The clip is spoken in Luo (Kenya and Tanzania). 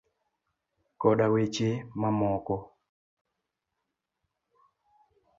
koda weche mamoko.